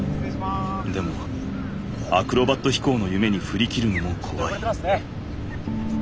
でもアクロバット飛行の夢にふりきるのも怖い。